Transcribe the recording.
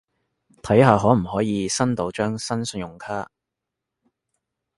睇下可唔可以申到張新信用卡